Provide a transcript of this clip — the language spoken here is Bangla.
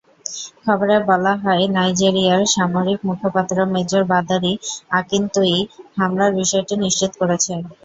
খবরে বলা হয়, নাইজেরিয়ার সামরিক মুখপাত্র মেজর বাদারি আকিনতোয়ি হামলার বিষয়টি নিশ্চিত করেছেন।